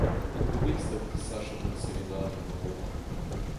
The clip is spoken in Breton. an douristed disachet gant sevenadur Europa